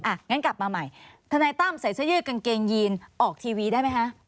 งั้นกลับมาใหม่ทนายตั้มใส่เสื้อยืดกางเกงยีนออกทีวีได้ไหมคะ